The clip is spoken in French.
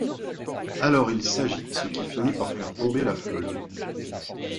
Alors, il s'agite, ce qui finit par faire tomber la feuille.